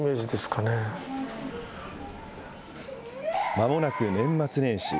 まもなく年末年始。